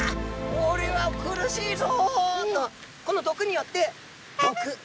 おれは苦しいぞ！」とこの毒によってどく。